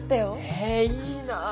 えいいな！